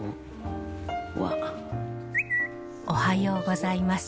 おはようございます。